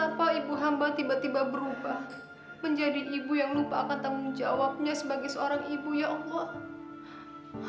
kenapa ibu hamba tiba tiba berubah menjadi ibu yang lupa akan tanggung jawabnya sebagai seorang ibu ya allah